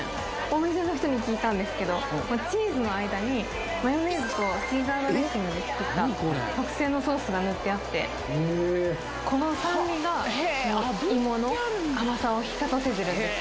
お店の人に聞いたんですけどチーズの間にマヨネーズとシーザードレッシングで作った特製のソースがぬってあってこの酸味が芋の甘さを引き立たせてるんです